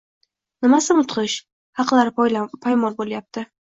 «Nimasi mudhish? Haqlar poymol bo‘layapti